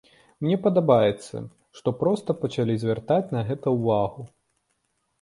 Мне падабаецца, што проста пачалі звяртаць на гэта ўвагу.